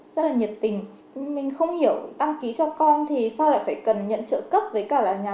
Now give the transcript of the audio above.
rất là nhiệt tình mình không hiểu đăng ký cho con thì sao lại phải cần nhận trợ cấp với cả là nhà